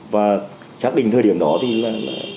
và chắc định thời điểm đó thì là